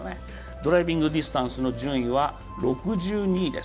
ドライビングディスタンスの順位は６２位です。